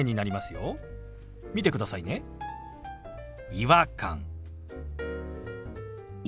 「違和感」。